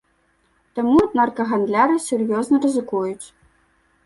Таму наркагандляры сур'ёзна рызыкуюць.